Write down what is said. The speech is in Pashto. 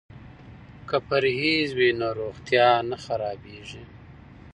که پرهیز وي نو روغتیا نه خرابیږي.